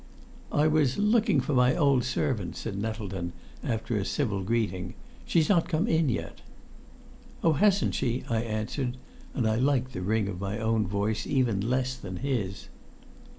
"I was looking for my old servant," said Nettleton, after a civil greeting. "She's not come in yet." "Oh! hasn't she?" I answered, and I liked the ring of my own voice even less than his.